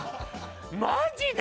マジで？